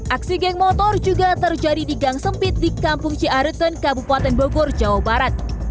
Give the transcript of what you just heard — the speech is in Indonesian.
aksi geng motor juga terjadi di gang sempit di kampung ciareten kabupaten bogor jawa barat